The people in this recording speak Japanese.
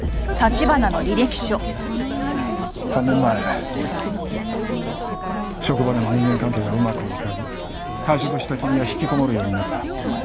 ３年前職場での人間関係がうまくいかず退職した君は引きこもるようになった。